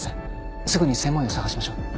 すぐに専門医を探しましょう。